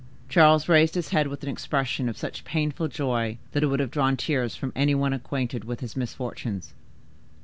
'" Charles raised his head with an expression of such painful joy that it would have drawn tears from any one acquainted with his misfortunes.